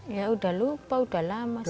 ya udah lupa udah lama